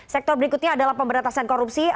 sektor berikutnya adalah pemberantasan korupsi